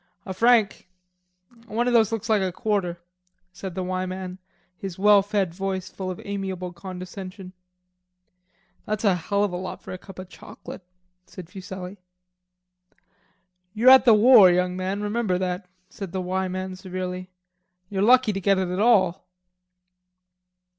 "A franc; one of those looks like a quarter," said the "Y" man, his well fed voice full of amiable condescension. "That's a hell of a lot for a cup of chauclate," said Fuselli. "You're at the war, young man, remember that," said the "Y" man severely. "You're lucky to get it at all."